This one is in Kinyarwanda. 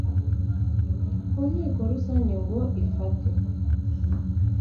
ku nteko rusange ngo ifate